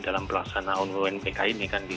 dalam pelaksanaan unpk ini kan